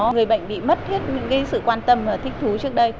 người bệnh bị mất hết những sự quan tâm và thích thú trước đây